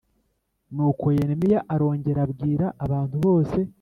Nuko yeremiya arongera abwira abantu bose